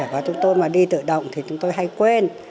và chúng tôi mà đi tự động thì chúng tôi hay quên